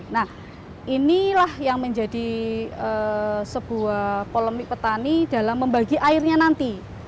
nah inilah yang menjadi sebuah polemik petani dalam membagi airnya nanti